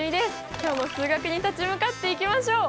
今日も数学に立ち向かっていきましょう！